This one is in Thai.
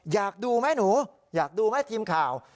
อยากดูไหมหนูอยากดูไหมทีมข่าว